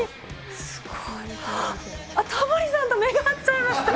すごい。あっ、タモリさんと目が合っちゃいました。